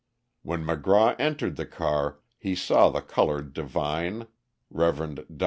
When McGraw entered the car he saw the coloured divine, Rev. Dr.